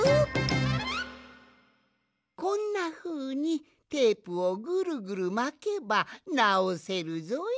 こんなふうにテープをぐるぐるまけばなおせるぞい。